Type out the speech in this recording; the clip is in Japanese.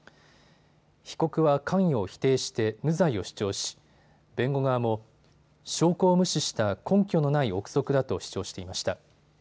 被告は関与を否定して無罪を主張し弁護側も証拠を無視した根拠のない憶測だと主張していました。